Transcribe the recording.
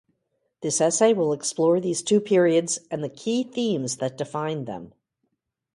This essay will explore these two periods and the key themes that defined them.